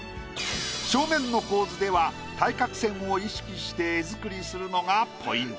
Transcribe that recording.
正面の構図では対角線を意識して絵作りするのがポイント。